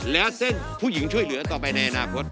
แล้วเส้นผู้หญิงช่วยเหลือต่อไปในอนาคต